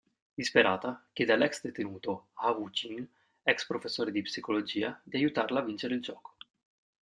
Disperata, chiede all'ex-detenuto Ha Woo-jin, ex-professore di psicologia, di aiutarla a vincere il gioco.